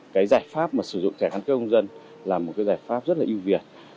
cái giải pháp sử dụng thẻ căn cước công dân là một giải pháp rất là ưu việt